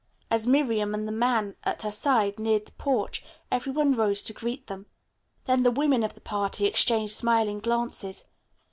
As Miriam and the man at her side neared the porch every one rose to greet them. Then the women of the party exchanged smiling glances.